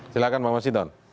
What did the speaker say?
silahkan pak mas hinton